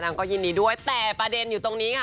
ก็ยินดีด้วยแต่ประเด็นอยู่ตรงนี้ค่ะ